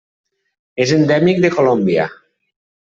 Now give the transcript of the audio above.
És endèmic de Colòmbia.